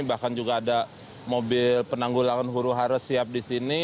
bahkan juga ada mobil penanggulangan huru harus siap di sini